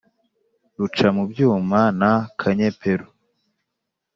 rucamubyuma na kanyeperu